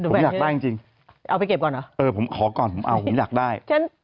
ผมอยากได้จริงจริงเอาไปเก็บก่อนเหรอเออผมขอก่อนผมเอาผมอยากได้ฉัน